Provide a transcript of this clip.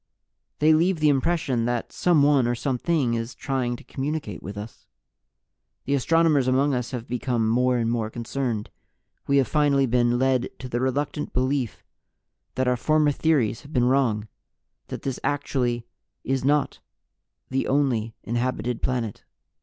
They leave the impression that someone, or something, is trying to communicate with us. "The astronomers among Us have become more and more concerned. We have finally been led to the reluctant belief that Our former theories have been wrong that this actually is not the only inhabited planet.